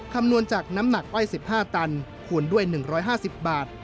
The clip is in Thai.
คำนวณจากน้ำหนักอ้อย๑๕ตันคูณด้วย๑๕๐บาท